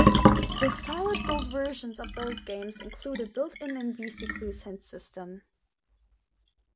The Solid Gold versions of those games include a built-in InvisiClues hint system.